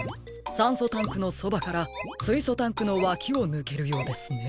さんそタンクのそばからすいそタンクのわきをぬけるようですね。